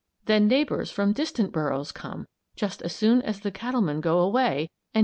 Then neighbors from distant burrows come just as soon as the cattlemen go away and dig them out!